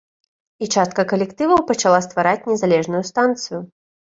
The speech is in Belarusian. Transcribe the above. І частка калектыву пачала ствараць незалежную станцыю.